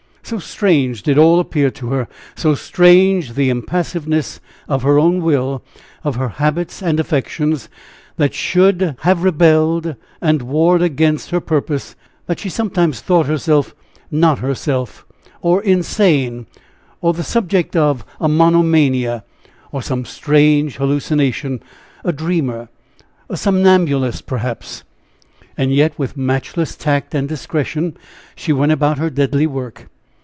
So strange did all appear to her, so strange the impassiveness of her own will, of her habits and affections, that should have rebelled and warred against her purpose that she sometimes thought herself not herself, or insane, or the subject of a monomania, or some strange hallucination, a dreamer, a somnambulist, perhaps. And yet with matchless tact and discretion, she went about her deadly work.